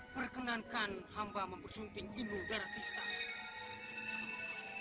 perkenankan hamba membersunting inu darah bintang